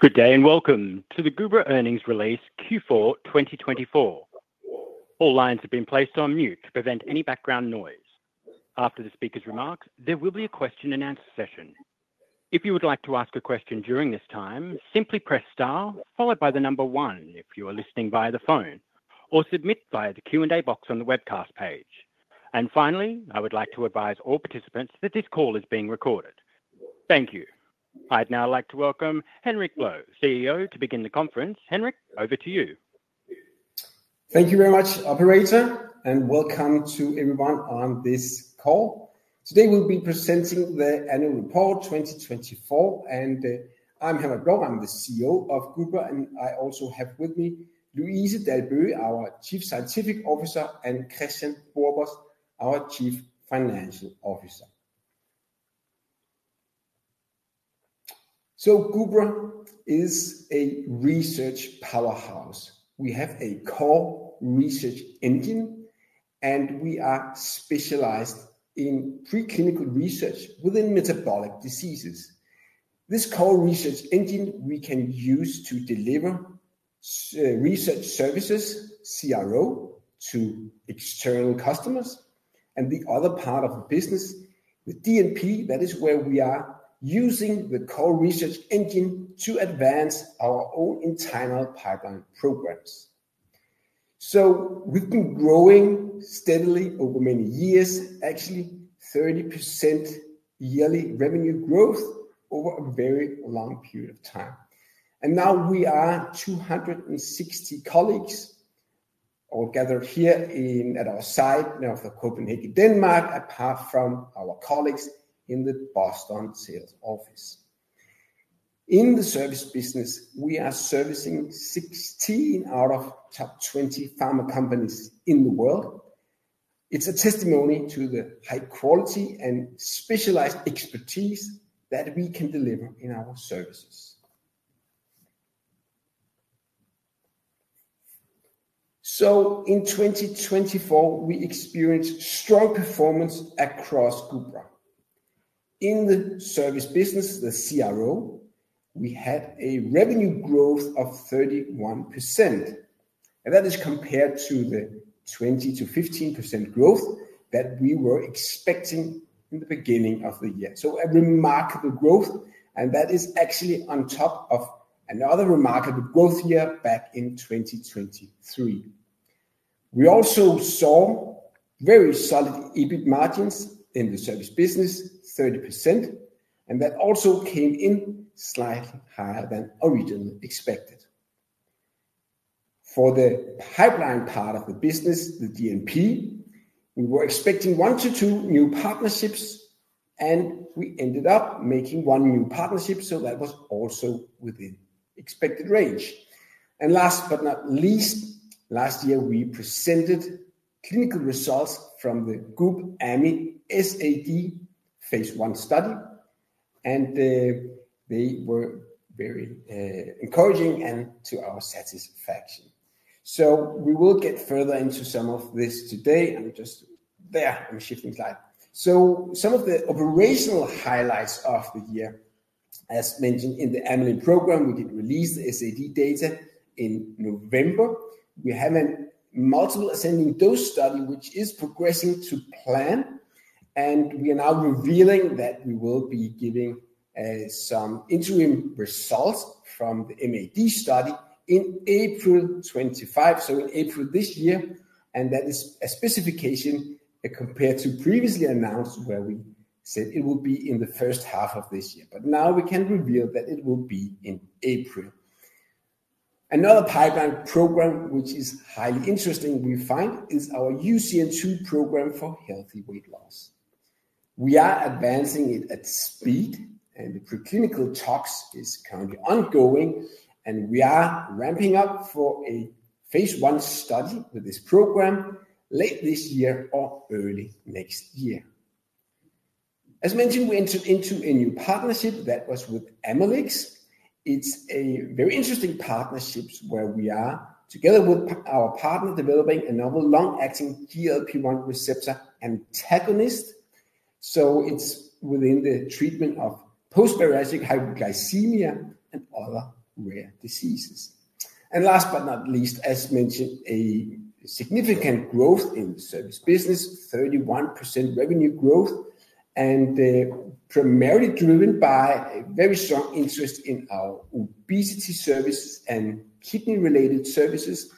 Good day and welcome to the Gubra Henrik Blou, Louise Dalbøge, K4 2024. All lines have been placed on mute to prevent any background noise. After the speaker's remarks, there will be a question and answer session. If you would like to ask a question during this time, simply press star, followed by the number one if you are listening via the phone, or submit via the Q&A box on the webcast page. Finally, I would like to advise all participants that this call is being recorded. Thank you. I'd now like to welcome Henrik Blou, CEO, to begin the conference. Henrik, over to you. Thank you very much, Operator, and welcome to everyone on this call. Today we'll be presenting the annual report 2024, and I'm Henrik Blou, I'm the CEO of Gubra, and I also have with me Louise Dalbøge, our Chief Scientific Officer, and Kristian Borbos, our Chief Financial Officer. Gubra is a research powerhouse. We have a core research engine, and we are specialized in preclinical research within metabolic diseases. This core research engine we can use to deliver research services, CRO, to external customers, and the other part of the business, the DNP, that is where we are using the core research engine to advance our own internal pipeline programs. We've been growing steadily over many years, actually 30% yearly revenue growth over a very long period of time. We are 260 colleagues all gathered here at our site now for Copenhagen, Denmark, apart from our colleagues in the Boston sales office. In the service business, we are servicing 16 out of top 20 pharma companies in the world. It's a testimony to the high quality and specialized expertise that we can deliver in our services. In 2024, we experienced strong performance across Gubra. In the service business, the CRO, we had a revenue growth of 31%, and that is compared to the 20%-15% growth that we were expecting in the beginning of the year. A remarkable growth, and that is actually on top of another remarkable growth year back in 2023. We also saw very solid EBIT margins in the service business, 30%, and that also came in slightly higher than originally expected. For the pipeline part of the business, the DNP, we were expecting one to two new partnerships, and we ended up making one new partnership, so that was also within expected range. Last but not least, last year we presented clinical results from the Group Ami SAD phase I study, and they were very encouraging and to our satisfaction. We will get further into some of this today. I'm just there, I'm shifting slide. Some of the operational highlights of the year, as mentioned in the Amelin program, we did release the SAD data in November. We have a multiple ascending dose study, which is progressing to plan, and we are now revealing that we will be giving some interim results from the MAD study in April 2025, so in April this year, and that is a specification compared to previously announced where we said it will be in the first half of this year, but now we can reveal that it will be in April. Another pipeline program, which is highly interesting, we find is our UCN2 program for healthy weight loss. We are advancing it at speed, and the preclinical talks are currently ongoing, and we are ramping up for a phase I study with this program late this year or early next year. As mentioned, we entered into a new partnership that was with Amelix. It's a very interesting partnership where we are together with our partner developing a novel long-acting GLP-1 receptor antagonist. It is within the treatment of post-bariatric hypoglycemia and other rare diseases. Last but not least, as mentioned, a significant growth in the service business, 31% revenue growth, and primarily driven by a very strong interest in our obesity services and kidney-related services.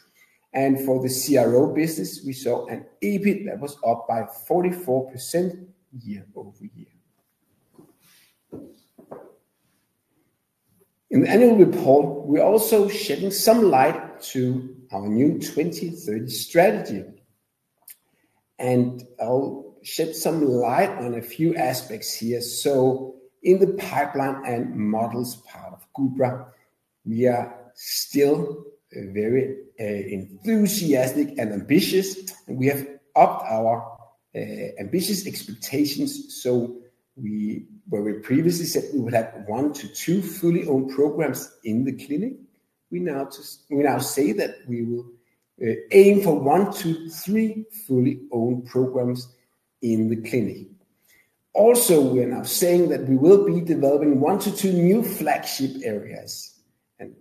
For the CRO business, we saw an EBIT that was up by 44% year over year. In the annual report, we are also shedding some light on our new 2030 strategy, and I'll shed some light on a few aspects here. In the pipeline and models part of Gubra, we are still very enthusiastic and ambitious, and we have upped our ambitious expectations. Where we previously said we would have one to two fully owned programs in the clinic, we now say that we will aim for one to three fully owned programs in the clinic. Also, we are now saying that we will be developing one to two new flagship areas, and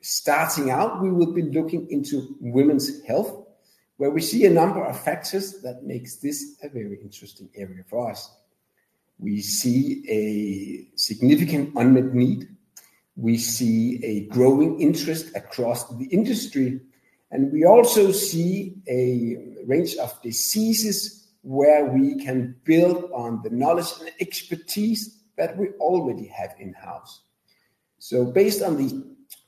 starting out, we will be looking into women's health, where we see a number of factors that make this a very interesting area for us. We see a significant unmet need. We see a growing interest across the industry, and we also see a range of diseases where we can build on the knowledge and expertise that we already have in-house. Based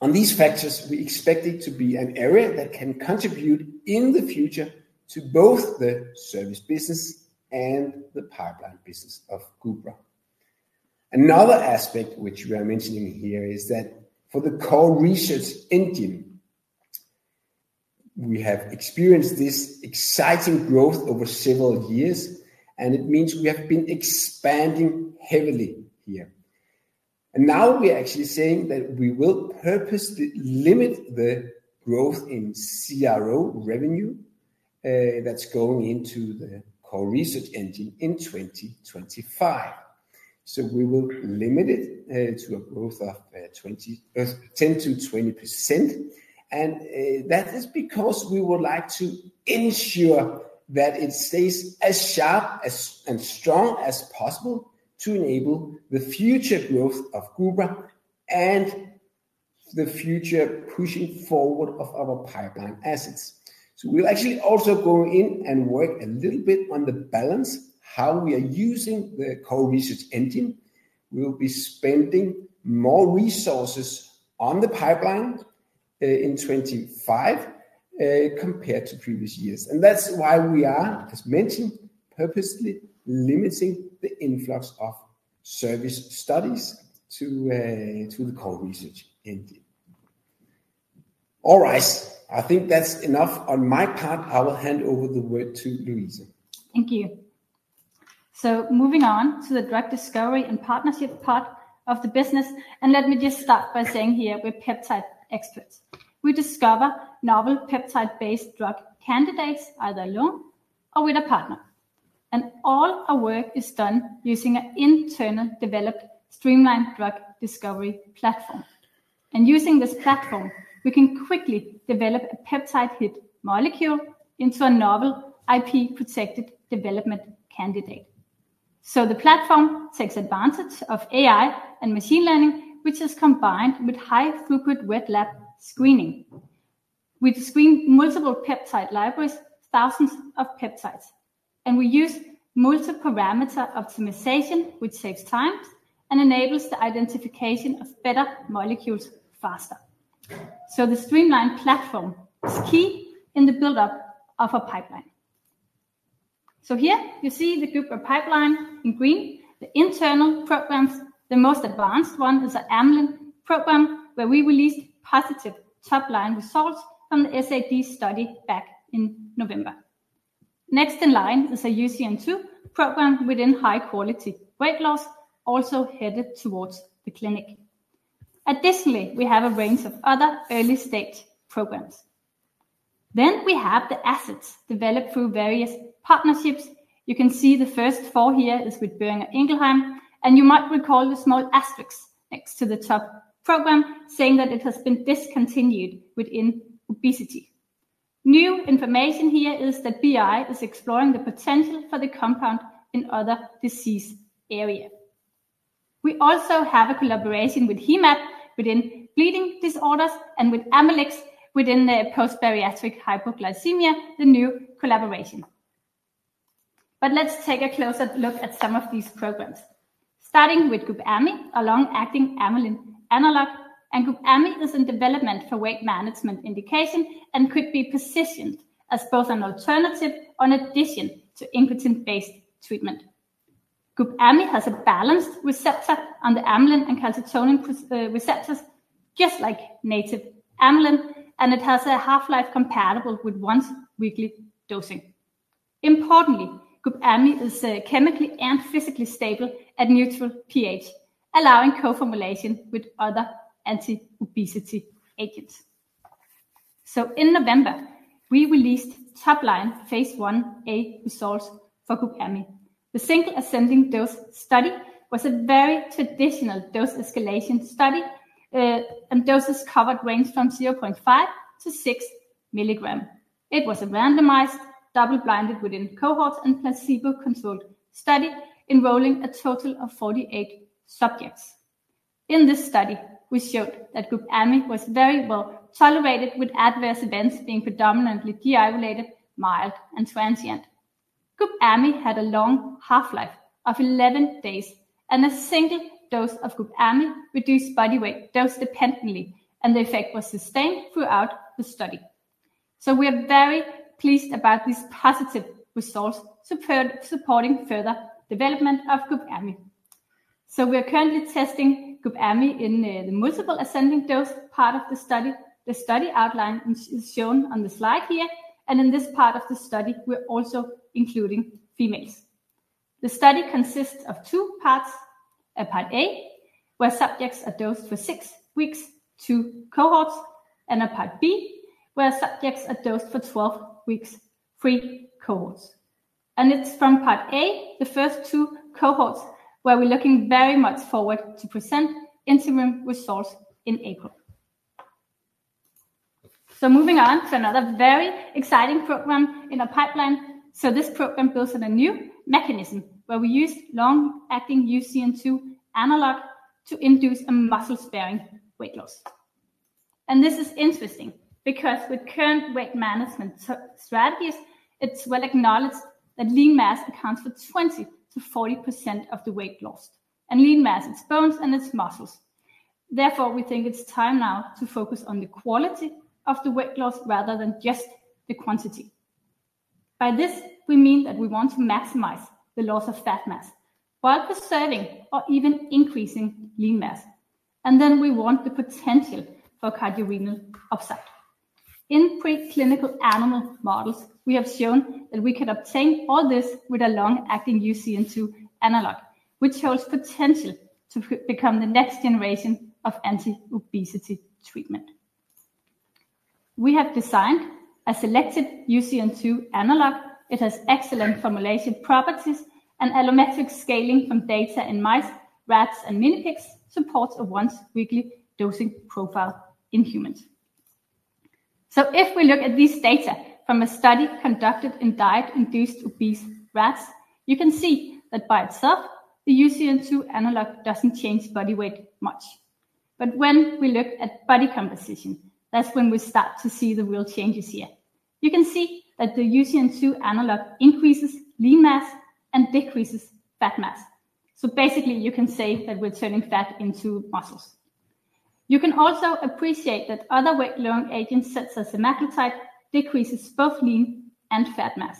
on these factors, we expect it to be an area that can contribute in the future to both the service business and the pipeline business of Gubra. Another aspect which we are mentioning here is that for the core research engine, we have experienced this exciting growth over several years, and it means we have been expanding heavily here. It means we are actually saying that we will purposely limit the growth in CRO revenue that's going into the core research engine in 2025. We will limit it to a growth of 10%-20%, and that is because we would like to ensure that it stays as sharp and strong as possible to enable the future growth of Gubra and the future pushing forward of our pipeline assets. We'll actually also go in and work a little bit on the balance, how we are using the core research engine. We'll be spending more resources on the pipeline in 2025 compared to previous years, and that's why we are, as mentioned, purposely limiting the influx of service studies to the core research engine. All right, I think that's enough on my part. I will hand over the word to Louise. Thank you. Moving on to the drug discovery and partnership part of the business, let me just start by saying here we're peptide experts. We discover novel peptide-based drug candidates either alone or with a partner, and all our work is done using an internally developed streamlined drug discovery platform. Using this platform, we can quickly develop a peptide hit molecule into a novel IP-protected development candidate. The platform takes advantage of AI and machine learning, which is combined with high throughput wet lab screening. We screen multiple peptide libraries, thousands of peptides, and we use multiparameter optimization, which saves time and enables the identification of better molecules faster. The streamlined platform is key in the buildup of our pipeline. Here you see the Gubra pipeline in green, the internal programs. The most advanced one is an Amelin program where we released positive top-line results from the SAD study back in November. Next in line is a UCN2 program within high quality weight loss, also headed towards the clinic. Additionally, we have a range of other early stage programs. We have the assets developed through various partnerships. You can see the first four here is with Boehringer Ingelheim, and you might recall the small asterisk next to the top program saying that it has been discontinued within obesity. New information here is that BI is exploring the potential for the compound in other disease areas. We also have a collaboration with HEMAT within bleeding disorders and with Amelix within post-bariatric hypoglycemia, the new collaboration. Let's take a closer look at some of these programs, starting with Group Ami, a long-acting Amelin analog. Group Ami is in development for weight management indication and could be positioned as both an alternative or an addition to Incotin-based treatment. Group Ami has a balanced receptor on the Amelin and Calcitonin receptors, just like native Amelin, and it has a half-life compatible with once weekly dosing. Importantly, Group Ami is chemically and physically stable at neutral pH, allowing co-formulation with other anti-obesity agents. In November, we released top-line phase I A results for Group Ami. The single ascending dose study was a very traditional dose escalation study, and doses covered ranged from 0.5 mg-6 mg. It was a randomized double-blinded within cohorts and placebo-controlled study enrolling a total of 48 subjects. In this study, we showed that Group Ami was very well tolerated, with adverse events being predominantly GI-related, mild, and transient. Group Ami had a long half-life of 11 days, and a single dose of Group Ami reduced body weight dose dependently, and the effect was sustained throughout the study. We are very pleased about these positive results supporting further development of Group Ami. We are currently testing Group Ami in the multiple ascending dose part of the study. The study outline is shown on the slide here, and in this part of the study, we're also including females. The study consists of two parts: a part A, where subjects are dosed for six weeks, two cohorts, and a part B, where subjects are dosed for 12 weeks, three cohorts. It's from part A, the first two cohorts, where we're looking very much forward to present interim results in April. Moving on to another very exciting program in our pipeline. This program builds on a new mechanism where we use long-acting UCN2 analog to induce a muscle-sparing weight loss. This is interesting because with current weight management strategies, it's well acknowledged that lean mass accounts for 20%-40% of the weight lost, and lean mass is bones and it's muscles. Therefore, we think it's time now to focus on the quality of the weight loss rather than just the quantity. By this, we mean that we want to maximize the loss of fat mass while preserving or even increasing lean mass, and then we want the potential for cardiorenal upside. In preclinical animal models, we have shown that we can obtain all this with a long-acting UCN2 analog, which holds potential to become the next generation of anti-obesity treatment. We have designed a selected UCN2 analog. It has excellent formulation properties and allometric scaling from data in mice, rats, and minipigs, supports a once-weekly dosing profile in humans. If we look at these data from a study conducted in diet-induced obese rats, you can see that by itself, the UCN2 analog doesn't change body weight much. When we look at body composition, that's when we start to see the real changes here. You can see that the UCN2 analog increases lean mass and decreases fat mass. Basically, you can say that we're turning fat into muscles. You can also appreciate that other weight-lowering agents such as semaglutide decrease both lean and fat mass.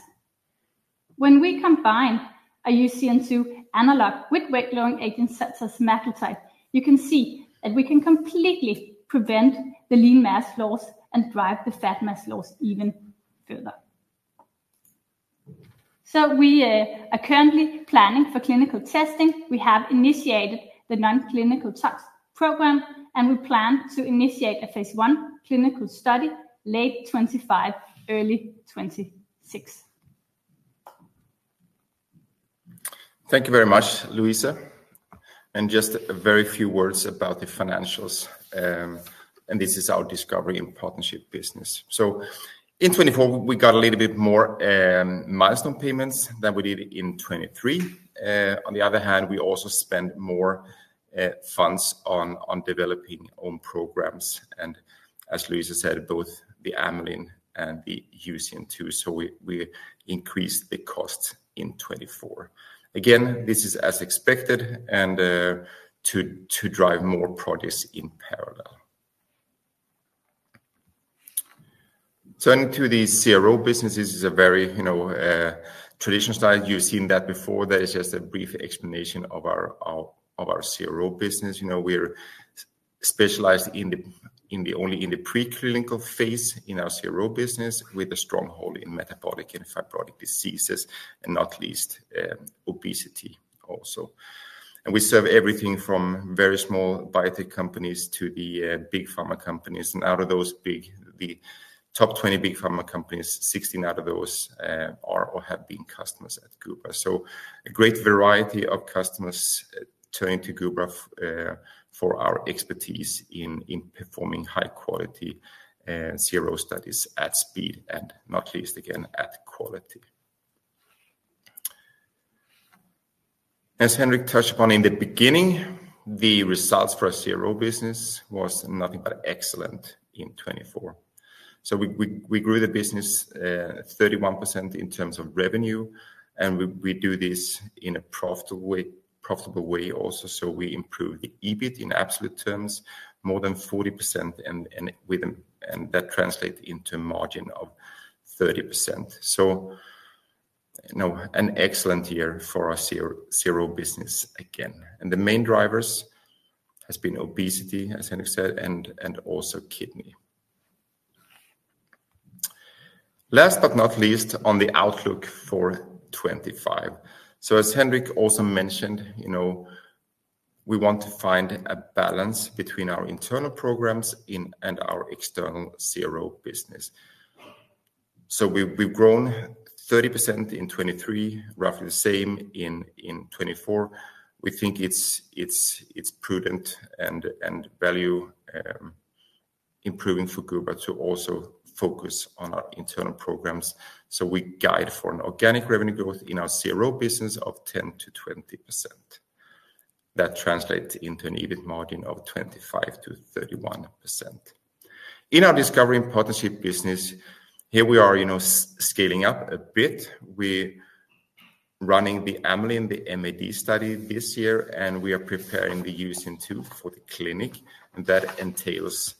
When we combine a UCN2 analog with weight-loading agents such as semaglutide, you can see that we can completely prevent the lean mass loss and drive the fat mass loss even further. We are currently planning for clinical testing. We have initiated the non-clinical tox program, and we plan to initiate a phase I clinical study late 2025, early 2026. Thank you very much, Louise. Just a very few words about the financials, and this is our Discovery & Partnerships business. In 2024, we got a little bit more milestone payments than we did in 2023. On the other hand, we also spent more funds on developing own programs, and as Louise said, both the Amelin and the UCN2, so we increased the cost in 2024. Again, this is as expected and to drive more projects in parallel. Turning to the CRO business, this is a very traditional style. You have seen that before. There is just a brief explanation of our CRO business. We are specialized in the only preclinical phase in our CRO business with a strong hold in metabolic and fibrotic diseases, and not least obesity also. We serve everything from very small biotech companies to the big pharma companies. Out of those big, the top 20 big pharma companies, 16 out of those are or have been customers at Gubra. A great variety of customers turn to Gubra for our expertise in performing high-quality CRO studies at speed and not least, again, at quality. As Henrik touched upon in the beginning, the results for our CRO business were nothing but excellent in 2024. We grew the business 31% in terms of revenue, and we do this in a profitable way also. We improved the EBIT in absolute terms more than 40%, and that translates into a margin of 30%. An excellent year for our CRO business again. The main drivers have been obesity, as Henrik said, and also kidney. Last but not least, on the outlook for 2025. As Henrik also mentioned, we want to find a balance between our internal programs and our external CRO business. We have grown 30% in 2023, roughly the same in 2024. We think it is prudent and value-improving for Gubra to also focus on our internal programs. We guide for an organic revenue growth in our CRO business of 10%-20%. That translates into an EBIT margin of 25%-31%. In our Discovery & Partnerships segment, here we are scaling up a bit. We are running the Amelin, the MAD study this year, and we are preparing the UCN2 for the clinic, and that entails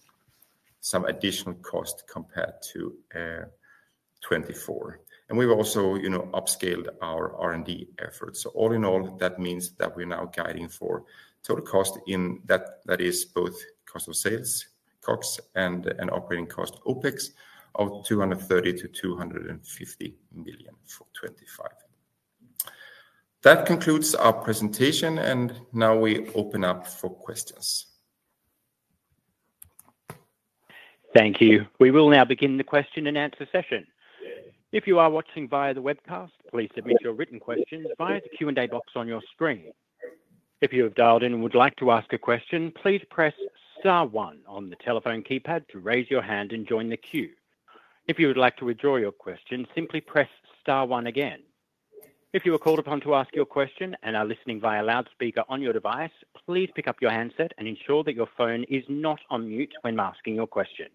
some additional cost compared to 2024. We have also upscaled our R&D efforts. All in all, that means that we're now guiding for total cost in that is both cost of sales, COGS, and operating cost, OPEX, of 230 million-250 million for 2025. That concludes our presentation, and now we open up for questions. Thank you. We will now begin the question and answer session. If you are watching via the webcast, please submit your written questions via the Q&A box on your screen. If you have dialed in and would like to ask a question, please press star one on the telephone keypad to raise your hand and join the queue. If you would like to withdraw your question, simply press star one again. If you are called upon to ask your question and are listening via loudspeaker on your device, please pick up your handset and ensure that your phone is not on mute when asking your question.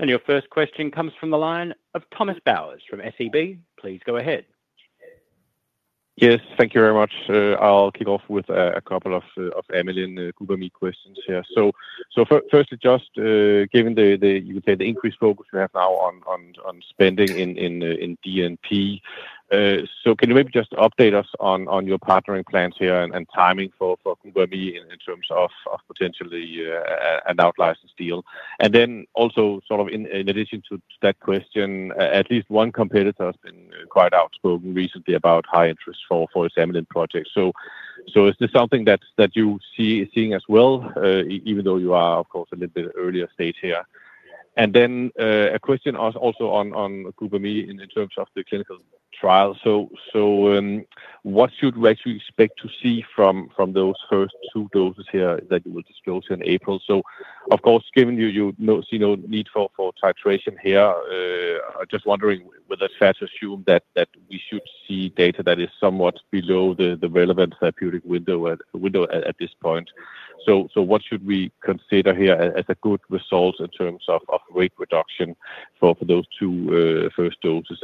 Your first question comes from the line of Thomas Bowers from SEB. Please go ahead. Yes, thank you very much. I'll kick off with a couple of Amelin Gubami questions here. First, just given the, you would say, the increased focus we have now on spending in DNP, can you maybe just update us on your partnering plans here and timing for Gubami in terms of potentially an outliers deal? In addition to that question, at least one competitor has been quite outspoken recently about high interest for this Amelin project. Is this something that you see seeing as well, even though you are, of course, a little bit earlier stage here? A question also on Gubami in terms of the clinical trial. What should we actually expect to see from those first two doses here that you will disclose in April? Of course, given you see no need for titration here, I'm just wondering whether it's fair to assume that we should see data that is somewhat below the relevant therapeutic window at this point. What should we consider here as a good result in terms of rate reduction for those two first doses?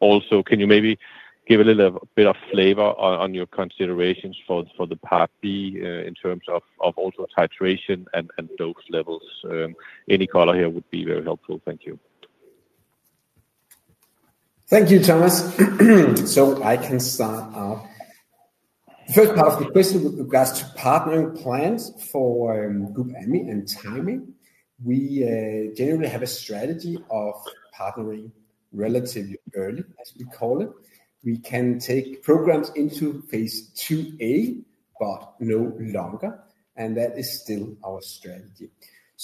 Can you maybe give a little bit of flavor on your considerations for the part B in terms of also titration and dose levels? Any color here would be very helpful. Thank you. Thank you, Thomas. I can start off. The first part of the question with regards to partnering plans for Gubami and timing, we generally have a strategy of partnering relatively early, as we call it. We can take programs into phase 2A, but no longer, and that is still our strategy.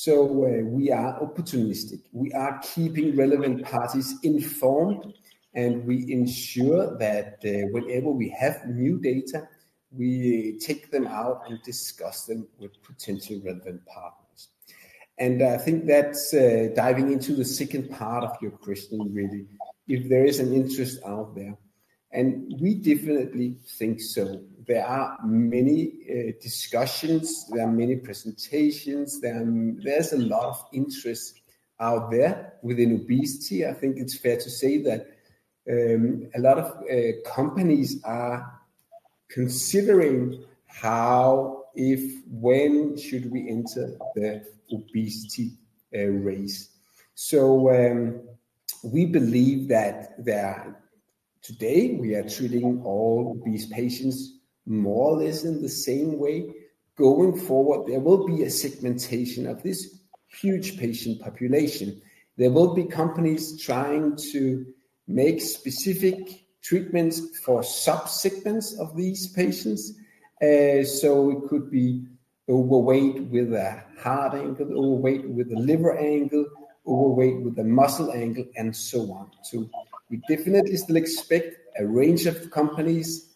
We are opportunistic. We are keeping relevant parties informed, and we ensure that whenever we have new data, we take them out and discuss them with potential relevant partners. I think that's diving into the second part of your question, really, if there is an interest out there. We definitely think so. There are many discussions. There are many presentations. There's a lot of interest out there within obesity. I think it's fair to say that a lot of companies are considering how, if, when should we enter the obesity race. We believe that today we are treating all these patients more or less in the same way. Going forward, there will be a segmentation of this huge patient population. There will be companies trying to make specific treatments for subsegments of these patients. It could be overweight with a heart angle, overweight with a liver angle, overweight with a muscle angle, and so on. We definitely still expect a range of companies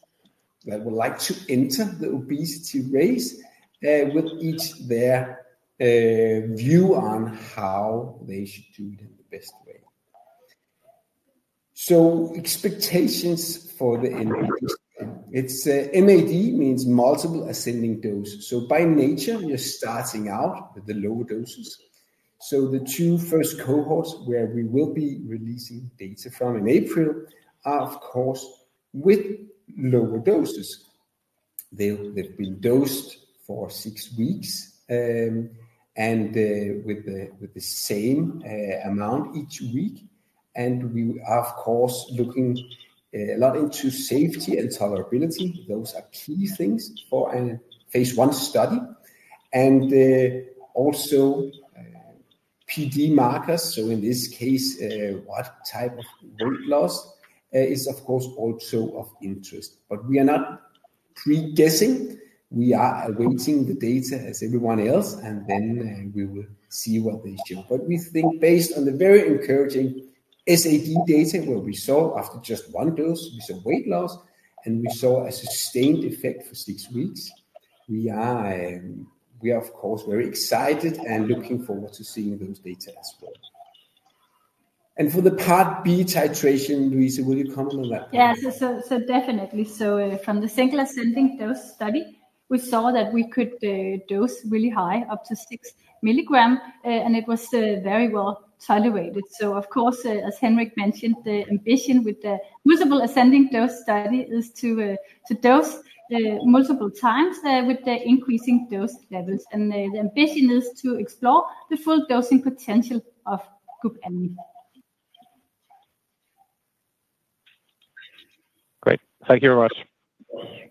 that would like to enter the obesity race with each their view on how they should do it in the best way. Expectations for the MAD means multiple ascending doses. By nature, you're starting out with the lower doses. The two first cohorts where we will be releasing data from in April are, of course, with lower doses. They've been dosed for six weeks and with the same amount each week. We are, of course, looking a lot into safety and tolerability. Those are key things for a phase I study. Also, PD markers, so in this case, what type of weight loss is, of course, also of interest. We are not pre-guessing. We are awaiting the data as everyone else, and we will see what they show. We think based on the very encouraging SAD data where we saw after just one dose, we saw weight loss, and we saw a sustained effect for six weeks, we are, of course, very excited and looking forward to seeing those data as well. For the part B titration, Louise, will you comment on that? Yes, definitely. From the single ascending dose study, we saw that we could dose really high, up to 6 milligrams, and it was very well tolerated. Of course, as Henrik mentioned, the ambition with the multiple ascending dose study is to dose multiple times with the increasing dose levels, and the ambition is to explore the full dosing potential of Gubami. Great. Thank you very much.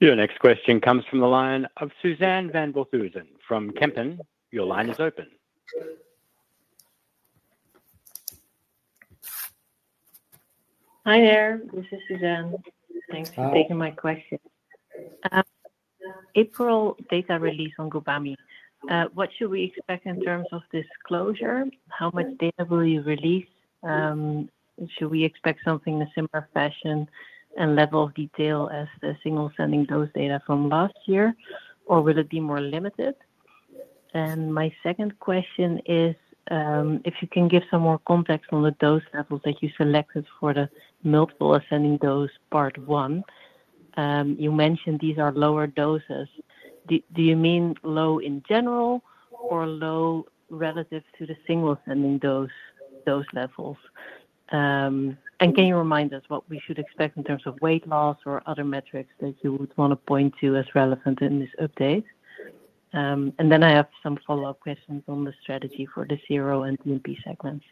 Your next question comes from the line of Suzanne van Voorthuizen from Kempen. Your line is open. Hi there. This is Suzanne. Thanks for taking my question. April data release on Gubami. What should we expect in terms of disclosure? How much data will you release? Should we expect something in a similar fashion and level of detail as the single ascending dose data from last year, or will it be more limited? My second question is if you can give some more context on the dose levels that you selected for the multiple ascending dose part one. You mentioned these are lower doses. Do you mean low in general or low relative to the single ascending dose levels? Can you remind us what we should expect in terms of weight loss or other metrics that you would want to point to as relevant in this update? I have some follow-up questions on the strategy for the CRO and DNP segments.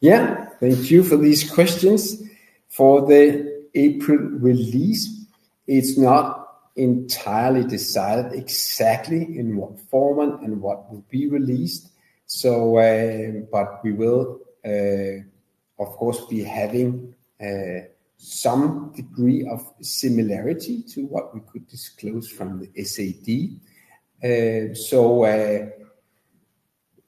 Yeah, thank you for these questions. For the April release, it's not entirely decided exactly in what format and what will be released. We will, of course, be having some degree of similarity to what we could disclose from the SAD.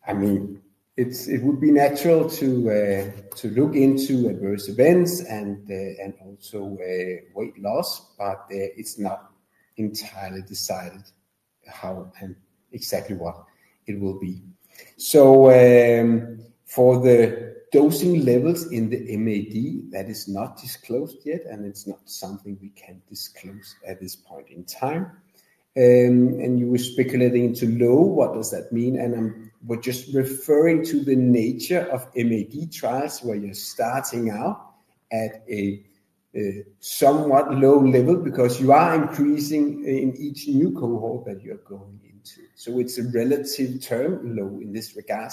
I mean, it would be natural to look into adverse events and also weight loss, but it's not entirely decided how and exactly what it will be. For the dosing levels in the MAD, that is not disclosed yet, and it's not something we can disclose at this point in time. You were speculating into low. What does that mean? We're just referring to the nature of MAD trials where you're starting out at a somewhat low level because you are increasing in each new cohort that you're going into. It is a relative term low in this regard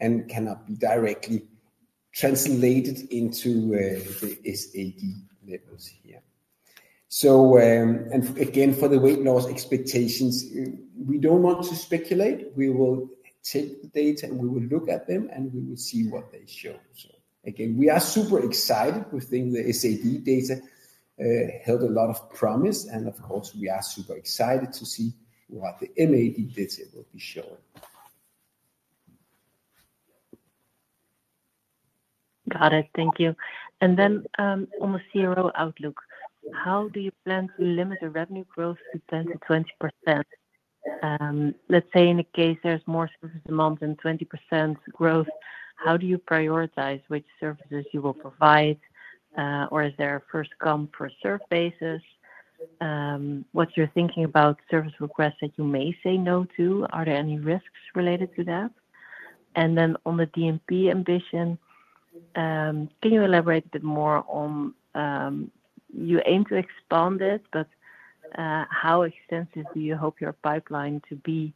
and cannot be directly translated into the SAD levels here. Again, for the weight loss expectations, we do not want to speculate. We will take the data, and we will look at them, and we will see what they show. Again, we are super excited. We think the SAD data held a lot of promise, and of course, we are super excited to see what the MAD data will be showing. Got it. Thank you. On the CRO outlook, how do you plan to limit the revenue growth to 10%-20%? Let's say in a case there's more services amount than 20% growth, how do you prioritize which services you will provide, or is there a first-come, first-served basis? What's your thinking about service requests that you may say no to? Are there any risks related to that? On the DNP ambition, can you elaborate a bit more on you aim to expand it, but how extensive do you hope your pipeline to be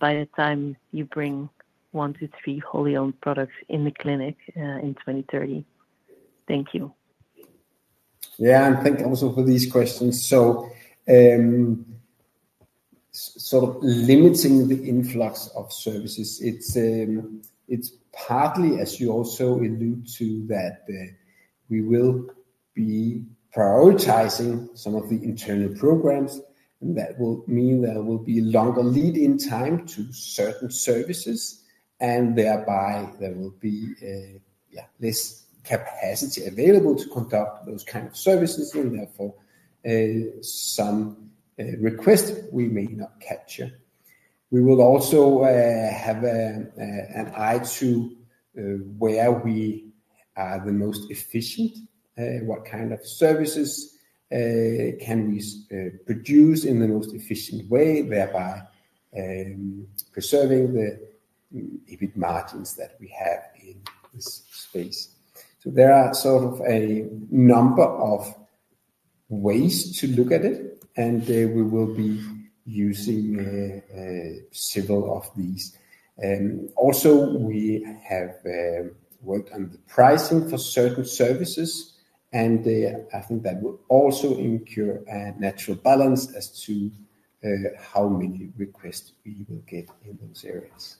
by the time you bring one to three wholly owned products in the clinic in 2030? Thank you. Yeah, and thank you also for these questions. Sort of limiting the influx of services, it's partly, as you also alluded to, that we will be prioritizing some of the internal programs, and that will mean there will be a longer lead-in time to certain services, and thereby there will be less capacity available to conduct those kinds of services, and therefore some requests we may not capture. We will also have an eye to where we are the most efficient, what kind of services can we produce in the most efficient way, thereby preserving the margins that we have in this space. There are sort of a number of ways to look at it, and we will be using several of these. Also, we have worked on the pricing for certain services, and I think that will also incur a natural balance as to how many requests we will get in those areas.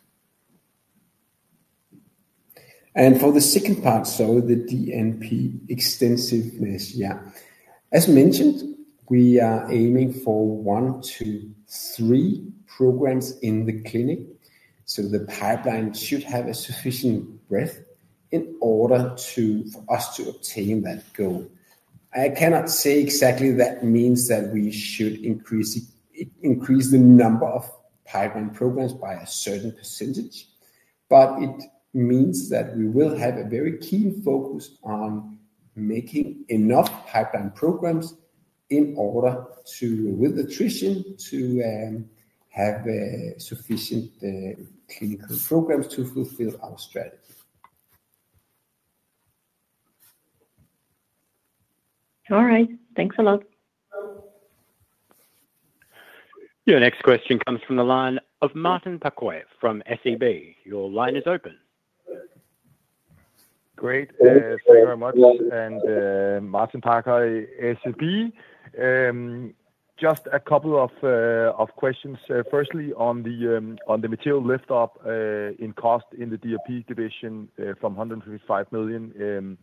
For the second part, the DNP extensiveness, yeah. As mentioned, we are aiming for one to three programs in the clinic. The pipeline should have a sufficient breadth in order for us to obtain that goal. I cannot say exactly that means that we should increase the number of pipeline programs by a certain percentage, but it means that we will have a very keen focus on making enough pipeline programs in order to, with attrition, to have sufficient clinical programs to fulfill our strategy. All right. Thanks a lot. Your next question comes from the line of Martin Pakoye from SAB. Your line is open. Great. Thank you very much. Martin Pakoye, SAB. Just a couple of questions. Firstly, on the material lift-off in cost in the DNP division from 155 million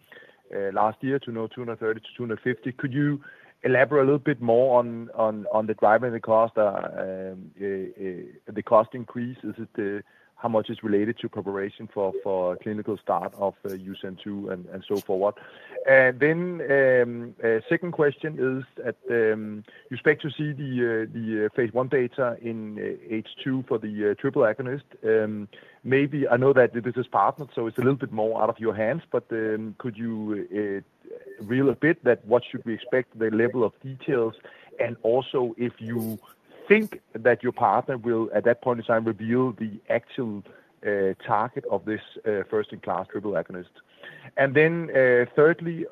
last year to now 230 million-250 million, could you elaborate a little bit more on the driving the cost increase? Is it how much is related to preparation for clinical start of UCN2 and so forward? Second question is that you expect to see the phase I data in H2 for the triple agonist. Maybe I know that this is partner, so it is a little bit more out of your hands, but could you reel a bit that what should we expect, the level of details, and also if you think that your partner will, at that point in time, reveal the actual target of this first-in-class triple agonist? Thirdly,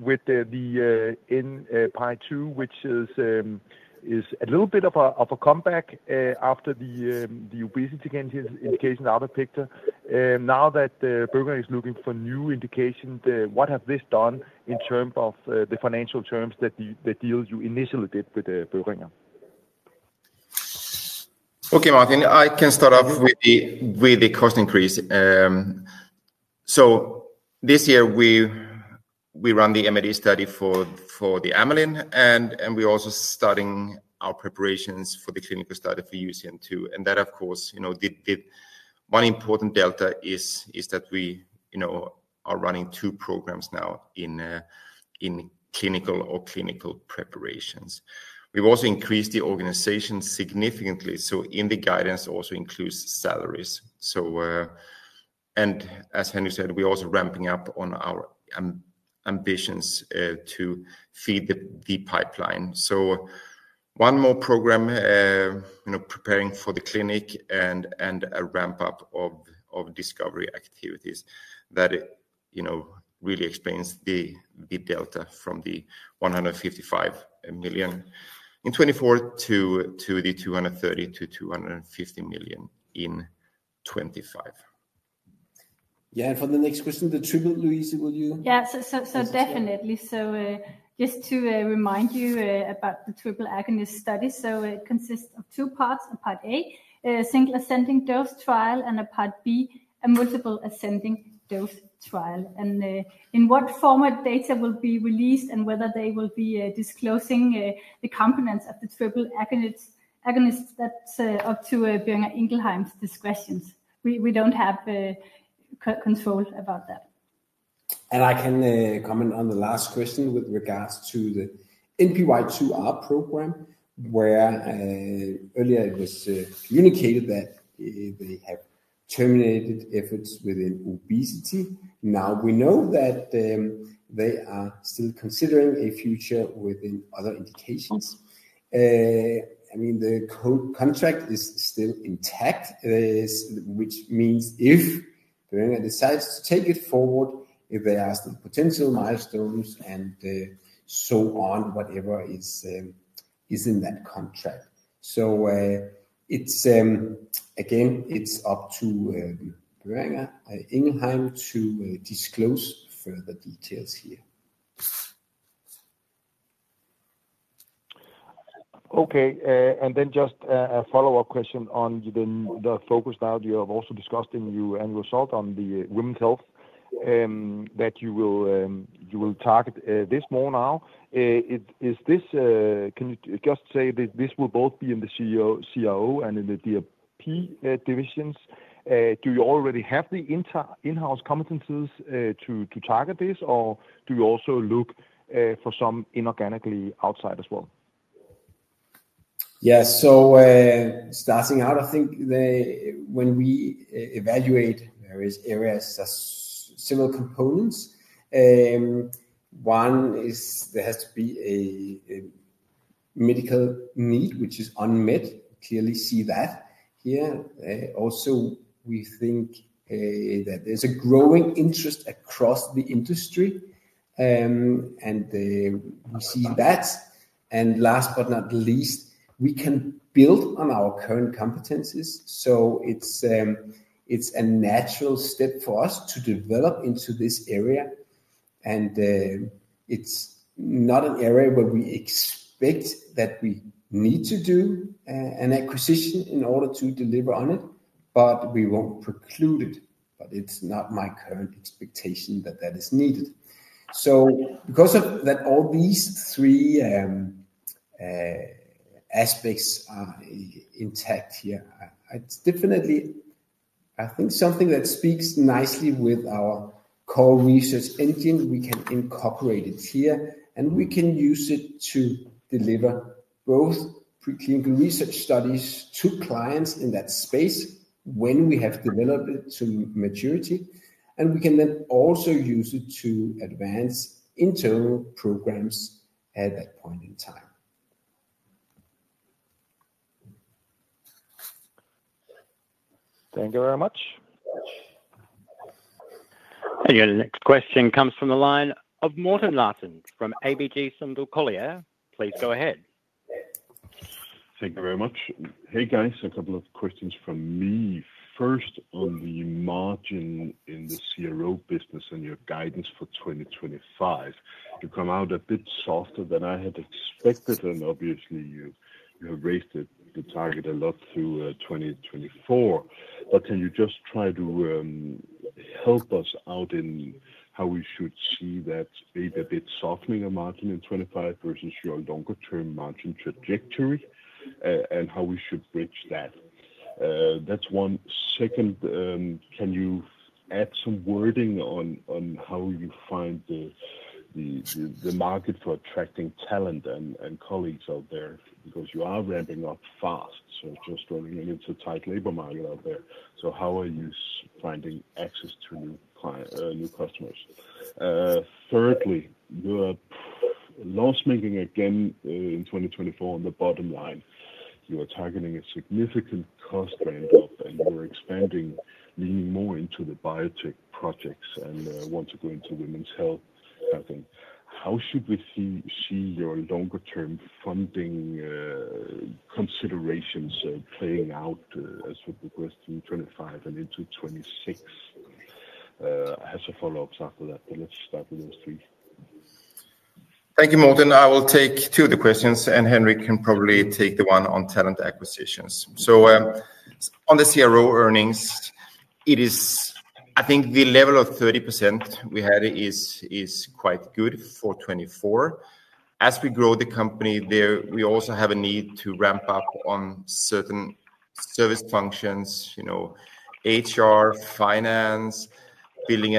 with the NPY-2R, which is a little bit of a comeback after the obesity indication out of picture, now that Boehringer is looking for new indication, what has this done in terms of the financial terms that you initially did with Boehringer? Okay, Martin, I can start off with the cost increase. This year we run the MAD study for the amylin, and we're also starting our preparations for the clinical study for UCN2. That, of course, one important delta is that we are running two programs now in clinical or clinical preparations. We've also increased the organization significantly. The guidance also includes salaries. As Henrik said, we're also ramping up on our ambitions to feed the pipeline. One more program preparing for the clinic and a ramp-up of discovery activities really explains the delta from 155 million in 2024 to 230 million-250 million in 2025. Yeah, and for the next question, the triple, Louise, will you? Yeah, definitely. Just to remind you about the triple agonist study, it consists of two parts, a Part A, single ascending dose trial, and a Part B, a multiple ascending dose trial. In what format data will be released and whether they will be disclosing the components of the triple agonist, that's up to Boehringer Ingelheim's discretion. We don't have control about that. I can comment on the last question with regards to the NPY-2R program, where earlier it was communicated that they have terminated efforts within obesity. Now we know that they are still considering a future within other indications. I mean, the code contract is still intact, which means if Boehringer Ingelheim decides to take it forward, there are still potential milestones and so on, whatever is in that contract. Again, it is up to Boehringer Ingelheim to disclose further details here. Okay. Just a follow-up question on the focus that you have also discussed in your annual result on the women's health that you will target this more now. Can you just say that this will both be in the CRO and in the DNP divisions? Do you already have the in-house competencies to target this, or do you also look for some inorganically outside as well? Yeah, so starting out, I think when we evaluate various areas, there are several components. One is there has to be a medical need, which is unmet. Clearly see that here. Also, we think that there's a growing interest across the industry, and we see that. Last but not least, we can build on our current competencies. It is a natural step for us to develop into this area. It is not an area where we expect that we need to do an acquisition in order to deliver on it, but we will not preclude it. It is not my current expectation that that is needed. Because of that, all these three aspects are intact here. It is definitely, I think, something that speaks nicely with our core research engine. We can incorporate it here, and we can use it to deliver both preclinical research studies to clients in that space when we have developed it to maturity. We can then also use it to advance internal programs at that point in time. Thank you very much. The next question comes from the line of Morten Larsen from ABG Sundal Collier. Please go ahead. Thank you very much. Hey, guys, a couple of questions from me. First, on the margin in the CRO business and your guidance for 2025. You come out a bit softer than I had expected, and obviously, you have raised the target a lot through 2024. Can you just try to help us out in how we should see that maybe a bit softening a margin in 2025 versus your longer-term margin trajectory and how we should bridge that? That's one. Second, can you add some wording on how you find the market for attracting talent and colleagues out there? You are ramping up fast, just running into a tight labor market out there. How are you finding access to new customers? Thirdly, your loss-making again in 2024 on the bottom line. You are targeting a significant cost ramp-up, and you are expanding more into the biotech projects and want to go into women's health. How should we see your longer-term funding considerations playing out as we progress through 2025 and into 2026? I have some follow-ups after that, but let's start with those three. Thank you, Morten. I will take two of the questions, and Henrik can probably take the one on talent acquisitions. On the CRO earnings, I think the level of 30% we had is quite good for 2024. As we grow the company, we also have a need to ramp up on certain service functions: HR, finance, building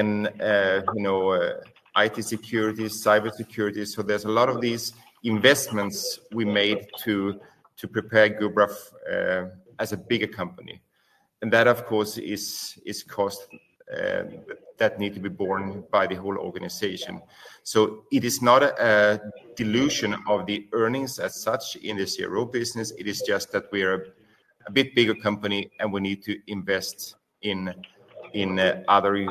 IT security, cybersecurity. There are a lot of these investments we made to prepare Gubra as a bigger company. That, of course, is cost that needs to be borne by the whole organization. It is not a dilution of the earnings as such in the CRO business. It is just that we are a bit bigger company, and we need to invest in other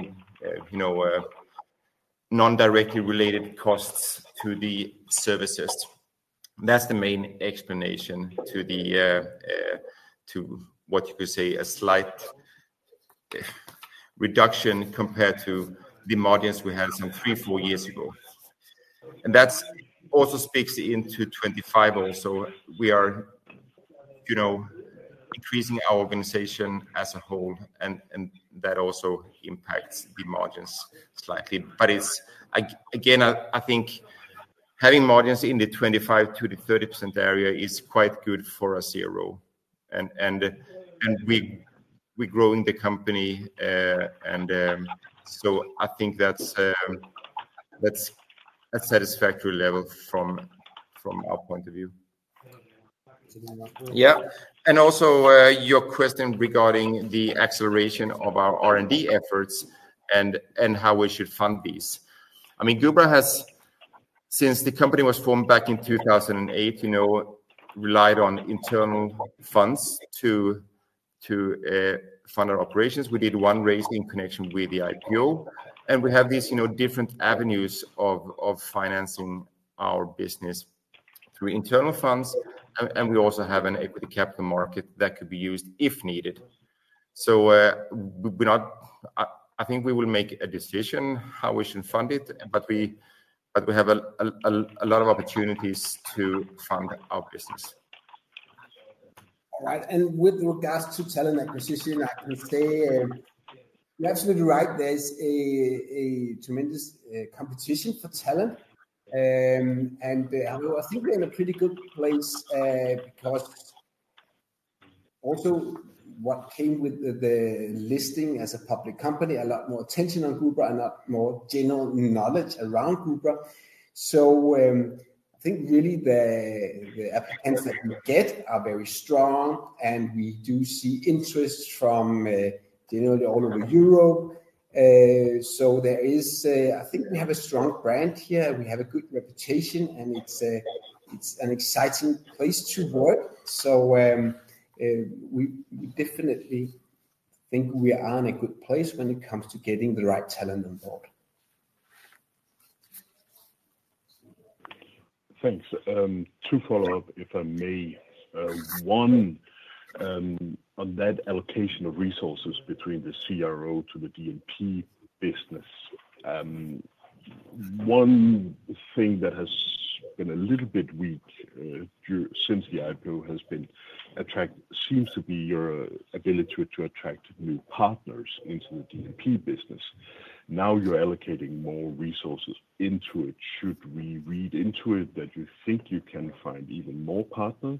non-directly related costs to the services. That's the main explanation to what you could say a slight reduction compared to the margins we had some three, four years ago. That also speaks into 2025 also. We are increasing our organization as a whole, and that also impacts the margins slightly. Again, I think having margins in the 25%-30% area is quite good for a CRO. We're growing the company, and so I think that's a satisfactory level from our point of view. Yeah. Also your question regarding the acceleration of our R&D efforts and how we should fund these. I mean, Gubra has, since the company was formed back in 2008, relied on internal funds to fund our operations. We did one raise in connection with the IPO, and we have these different avenues of financing our business through internal funds, and we also have an equity capital market that could be used if needed. I think we will make a decision how we should fund it, but we have a lot of opportunities to fund our business. All right. With regards to talent acquisition, I can say you're absolutely right. There's a tremendous competition for talent, and I think we're in a pretty good place because also what came with the listing as a public company, a lot more attention on Gubra and a lot more general knowledge around Gubra. I think really the applicants that we get are very strong, and we do see interest from generally all over Europe. I think we have a strong brand here. We have a good reputation, and it's an exciting place to work. We definitely think we are in a good place when it comes to getting the right talent on board. Thanks. Two follow-ups, if I may. One, on that allocation of resources between the CRO to the DNP business. One thing that has been a little bit weak since the IPO has been, it seems to be your ability to attract new partners into the DNP business. Now you're allocating more resources into it. Should we read into it that you think you can find even more partners,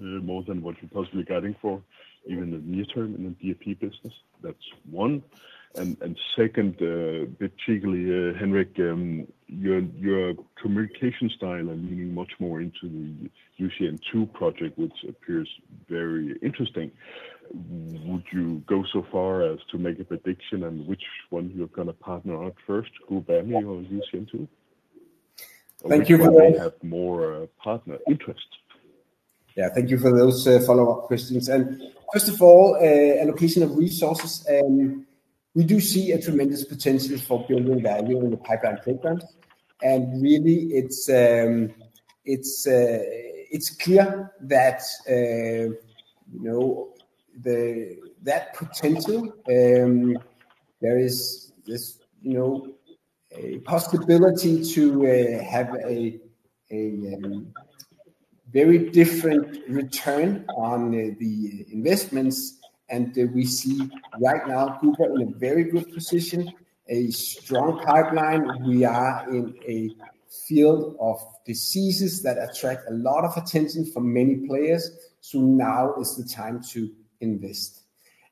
more than what you're possibly guiding for, even in the near term in the DNP business? That's one. Second, particularly, Henrik, your communication style and leaning much more into the UCN2 program, which appears very interesting. Would you go so far as to make a prediction on which one you're going to partner on first, Gubami or UCN2? Thank you for that. Where you have more partner interest? Yeah, thank you for those follow-up questions. First of all, allocation of resources, we do see a tremendous potential for building value in the pipeline programs. Really, it's clear that that potential, there is a possibility to have a very different return on the investments. We see right now Gubra in a very good position, a strong pipeline. We are in a field of diseases that attract a lot of attention from many players. Now is the time to invest.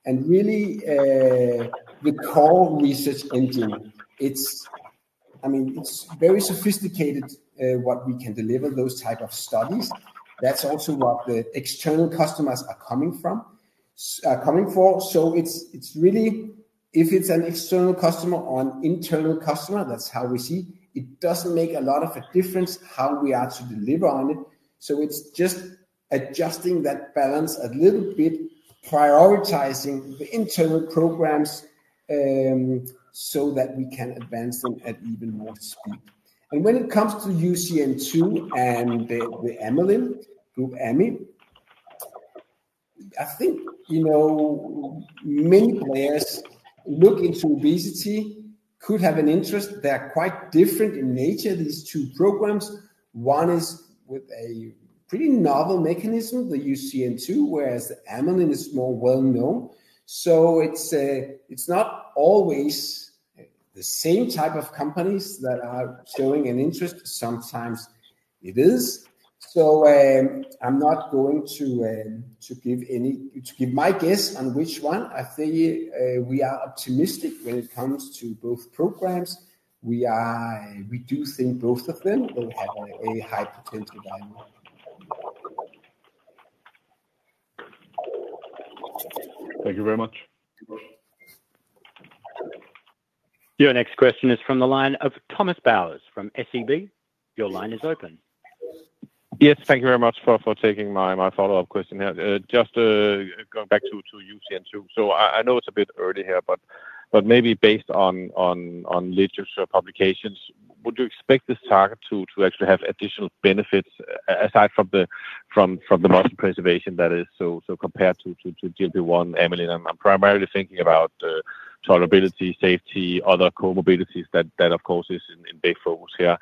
Really, the core research engine, I mean, it's very sophisticated what we can deliver, those type of studies. That's also what the external customers are coming for. It's really, if it's an external customer or an internal customer, that's how we see. It doesn't make a lot of a difference how we are to deliver on it. It's just adjusting that balance a little bit, prioritizing the internal programs so that we can advance them at even more speed. When it comes to UCN2 and the Amelin, Group Ami, I think many players looking into obesity could have an interest. They're quite different in nature, these two programs. One is with a pretty novel mechanism, the UCN2, whereas the Amelin is more well-known. It's not always the same type of companies that are showing an interest. Sometimes it is. I'm not going to give my guess on which one. I think we are optimistic when it comes to both programs. We do think both of them will have a high potential value. Thank you very much. Your next question is from the line of Thomas Bowers from SEB. Your line is open. Yes, thank you very much for taking my follow-up question here. Just going back to UCN2, I know it's a bit early here, but maybe based on literature publications, would you expect this target to actually have additional benefits aside from the muscle preservation that is so compared to GLP-1, Amelin? I'm primarily thinking about tolerability, safety, other comorbidities that, of course, is in big focus here.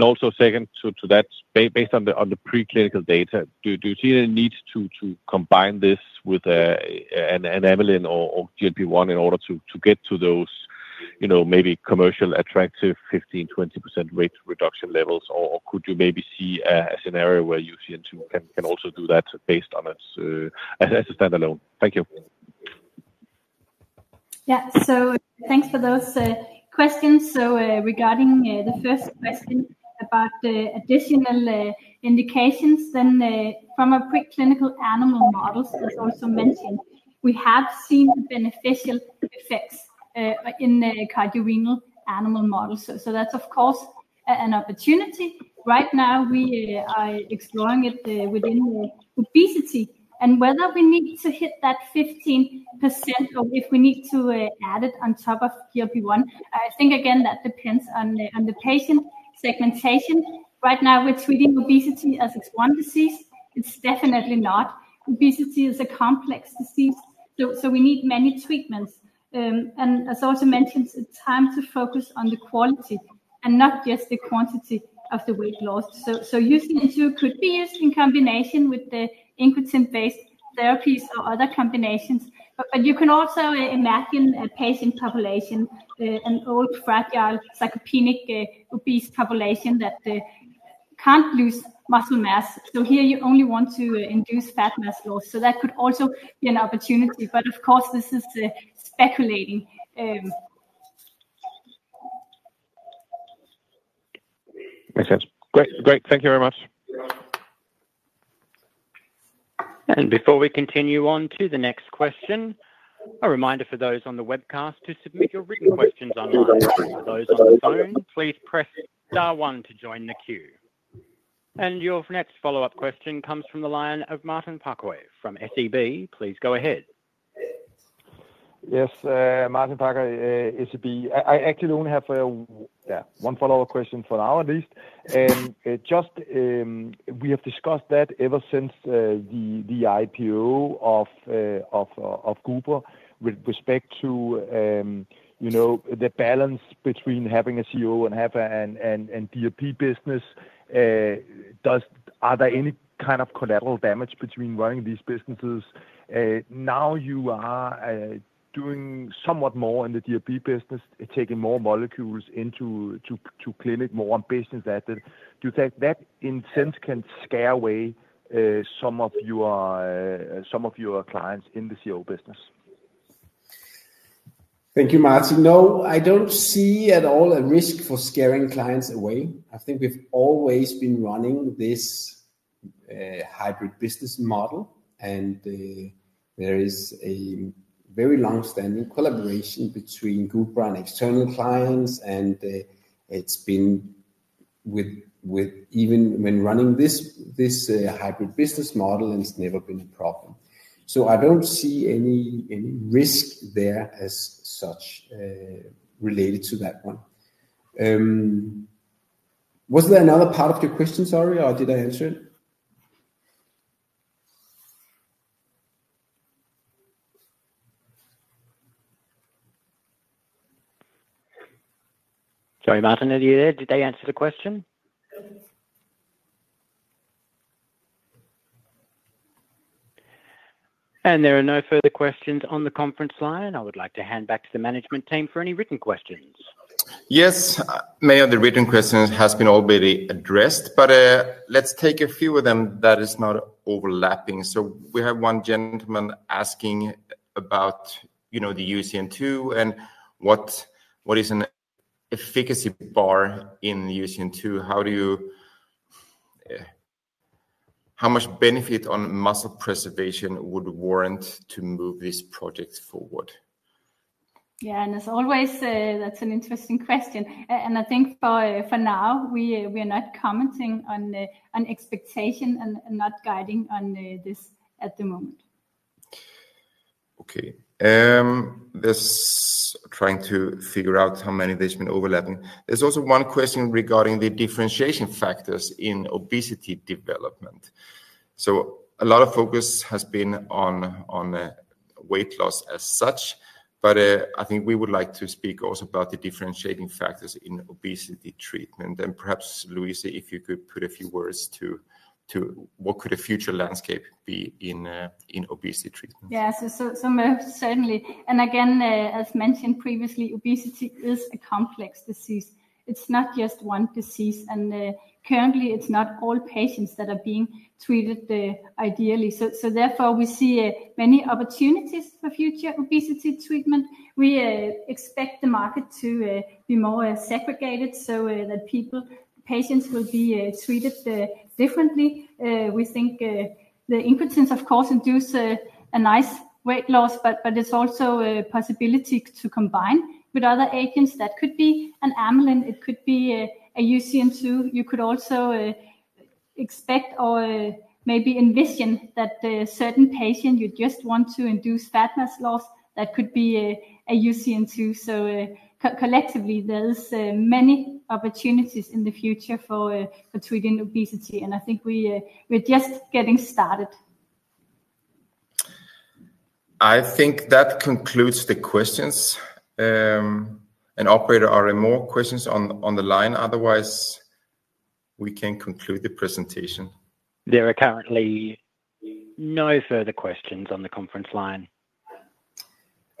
Also, second to that, based on the preclinical data, do you see a need to combine this with an Amelin or GLP-1 in order to get to those maybe commercially attractive 15-20% rate reduction levels? Or could you maybe see a scenario where UCN2 can also do that based on it as a standalone? Thank you. Yeah. Thanks for those questions. Regarding the first question about the additional indications, from our preclinical animal models, as also mentioned, we have seen beneficial effects in cardiorenal animal models. That is, of course, an opportunity. Right now, we are exploring it within obesity. Whether we need to hit that 15% or if we need to add it on top of GLP-1, I think that depends on the patient segmentation. Right now, we're treating obesity as one disease. It's definitely not. Obesity is a complex disease, so we need many treatments. As also mentioned, it's time to focus on the quality and not just the quantity of the weight loss. UCN2 could be used in combination with the GLP-1-based therapies or other combinations. You can also imagine a patient population, an old, fragile, sarcopenic, obese population that can't lose muscle mass. Here, you only want to induce fat mass loss. That could also be an opportunity. Of course, this is speculating. Makes sense. Great. Thank you very much. Before we continue on to the next question, a reminder for those on the webcast to submit your written questions online. For those on the phone, please press star one to join the queue. Your next follow-up question comes from the line of Martin Pakoye from SEB. Please go ahead. Yes. Martin Parkway, SEB. I actually only have one follow-up question for now at least. Just we have discussed that ever since the IPO of Gubra with respect to the balance between having a CRO and have a DNP business. Are there any kind of collateral damage between running these businesses? Now you are doing somewhat more in the DNP business, taking more molecules into clinic, more on business. Do you think that, in a sense, can scare away some of your clients in the CRO business? Thank you, Martin. No, I don't see at all a risk for scaring clients away. I think we've always been running this hybrid business model, and there is a very long-standing collaboration between Gubra and external clients. It's been even when running this hybrid business model, and it's never been a problem. I don't see any risk there as such related to that one. Was there another part of your question, sorry? Did I answer it? Sorry, Martin, are you there? Did I answer the question? There are no further questions on the conference line. I would like to hand back to the management team for any written questions. Yes. Many of the written questions have been already addressed, but let's take a few of them that are not overlapping. We have one gentleman asking about the UCN2 and what is an efficacy bar in UCN2? How much benefit on muscle preservation would warrant to move this project forward? Yeah. As always, that's an interesting question. I think for now, we are not commenting on expectation and not guiding on this at the moment. Okay. Just trying to figure out how many there's been overlapping. There's also one question regarding the differentiation factors in obesity development. A lot of focus has been on weight loss as such, but I think we would like to speak also about the differentiating factors in obesity treatment. Perhaps, Louise, if you could put a few words to what could a future landscape be in obesity treatment? Yeah. Most certainly. Again, as mentioned previously, obesity is a complex disease. It's not just one disease. Currently, it's not all patients that are being treated ideally. Therefore, we see many opportunities for future obesity treatment. We expect the market to be more segregated so that patients will be treated differently. We think the GLP-1s, of course, induce a nice weight loss, but it's also a possibility to combine with other agents. That could be an Amelin. It could be a UCN2. You could also expect or maybe envision that certain patients you just want to induce fat mass loss. That could be a UCN2. Collectively, there are many opportunities in the future for treating obesity. I think we're just getting started. I think that concludes the questions. Operator, are there more questions on the line? Otherwise, we can conclude the presentation. There are currently no further questions on the conference line.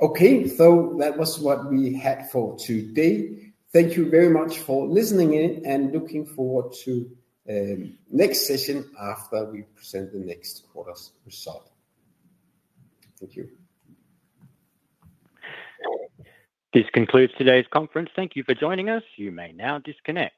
Okay. That was what we had for today. Thank you very much for listening in and looking forward to the next session after we present the next quarter's result. Thank you. This concludes today's conference. Thank you for joining us. You may now disconnect.